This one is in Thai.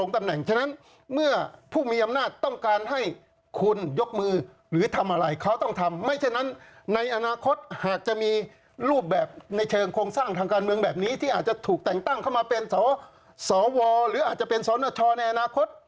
ที่อาจจะถูกแต่งตั้งเข้ามาเป็นสวหรืออาจจะเป็นสวนชในอนาคต